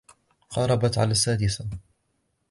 قاربت على السادسة.